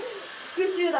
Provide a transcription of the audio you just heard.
復讐だ！